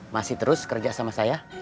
masih terus kerja sama saya